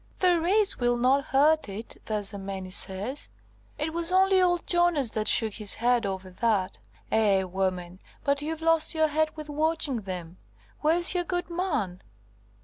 "The 'race' will not hurt it, there's a many says. It was only old Jonas that shook his head over that. Eh, woman, but you've lost your head with watching them. Where's your good man?"